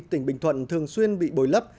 tỉnh bình thuận thường xuyên bị bồi lấp